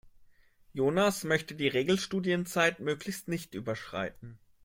Jonas möchte die Regelstudienzeit möglichst nicht überschreiten.